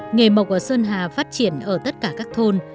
nghề mộc ở sơn hà phát triển ở tất cả các thôn